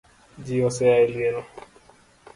Ji osea eliel